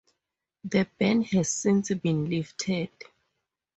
The ban has since been lifted.